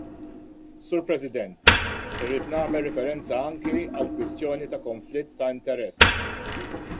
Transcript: Sur President, irrid nagħmel riferenza anke għall-kwestjoni ta' konflitt ta' interess.